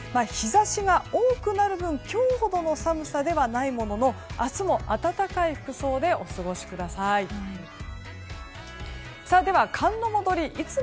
日差しが多くなる分今日ほどの寒さではないものの明日も暖かい服装でお過ごしください。